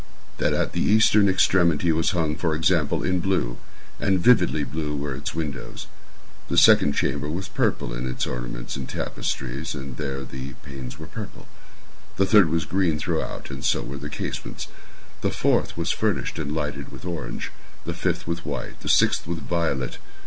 That at the eastern extremity was hung, for example, in blue—and vividly blue were its windows. The second chamber was purple in its ornaments and tapestries, and here the panes were purple. The third was green throughout, and so were the casements. The fourth was furnished and lighted with orange—the fifth with white—the sixth with violet.